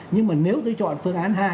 nhưng mà nếu tôi chọn phương án hai